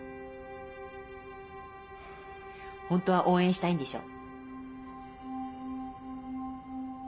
ホントは応援したいんでしょ。